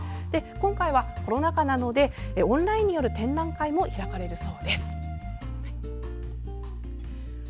今回はコロナ禍なのでオンラインによる展覧会も開かれるようです。